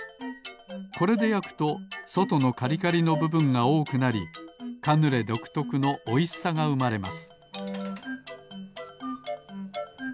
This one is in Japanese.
これでやくとそとのカリカリのぶぶんがおおくなりカヌレどくとくのおいしさがうまれます